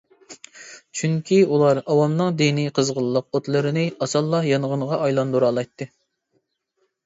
چۈنكى ئۇلار ئاۋامنىڭ دىنىي قىزغىنلىق ئوتلىرىنى ئاسانلا يانغىنغا ئايلاندۇرالايتتى.